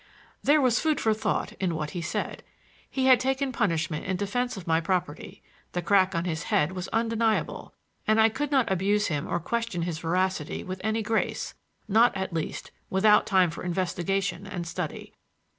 There was food for thought in what he said. He had taken punishment in defense of my property—the crack on his head was undeniable—and I could not abuse him or question his veracity with any grace; not, at least, without time for investigation and study.